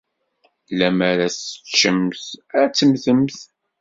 Lemmer ad tt-teččemt, ad temmtemt.